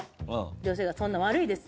女性が、そんな悪いです。